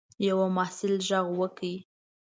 یوه محصل غږ وکړ.